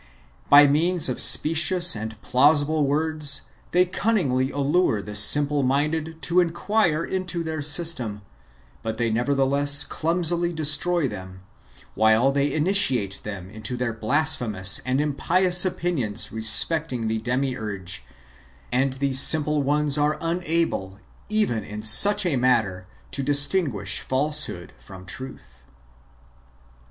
By means of specious and plausible words, they cunningly allure the simple minded to inquire into their system ; but they nevertheless clumsily destroy them, while they initiate them into their blasphemous and impious opinions respecting the Demiurge;^ and these simple ones are unable, even in such a matter, to distinguish falsehood from truth.